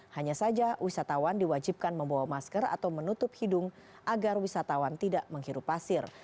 hanya saja wisatawan diwajibkan membawa masker atau menutup hidung agar wisatawan tidak menghirup pasir